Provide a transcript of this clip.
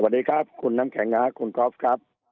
สวัสดีครับคุณน้ำแข็งคุณกอล์ฟครับ